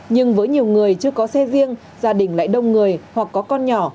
nhưng với nhiều người chưa có xe riêng gia đình lại đông người hoặc có con nhỏ